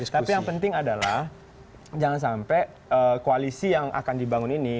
tapi yang penting adalah jangan sampai koalisi yang akan dibangun ini